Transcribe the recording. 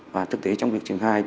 và thực tế trong việc triển khai